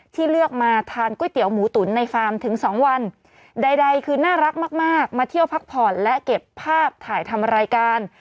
เลือกมาทานก๋วยเตี๋ยวหมูตุ๋นในฟาร์มถึงสองวันใดคือน่ารักมากมากมาเที่ยวพักผ่อนและเก็บภาพถ่ายทำรายการ